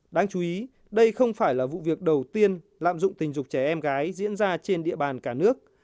đáng chú ý đây không phải là vụ việc đầu tiên lạm dụng tình dục trẻ em gái diễn ra trên địa bàn cả nước